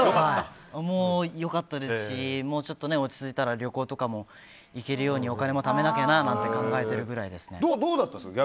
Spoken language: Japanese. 良かったですしもうちょっと落ち着いたら旅行とかも行けるようにお金もためなきゃななんてどうだったんですか？